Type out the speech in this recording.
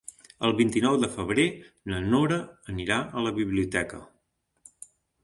El vint-i-nou de febrer na Nora anirà a la biblioteca.